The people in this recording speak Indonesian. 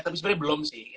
tapi sebenarnya belum sih